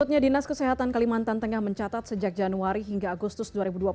menurutnya dinas kesehatan kalimantan tengah mencatat sejak januari hingga agustus dua ribu dua puluh